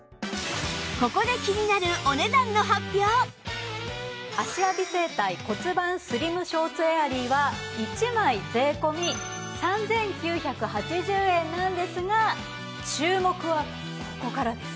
ここで気になる芦屋美整体骨盤スリムショーツエアリーは１枚税込３９８０円なんですが注目はここからです。